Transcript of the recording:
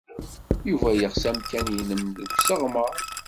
Yuba yeɣs amkan-nnem n usseɣmer.